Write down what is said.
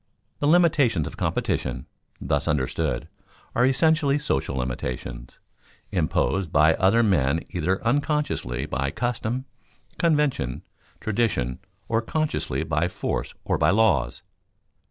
The limitations of competition, thus understood, are essentially social limitations, imposed by other men either unconsciously by custom, convention, tradition, or consciously by force or by laws.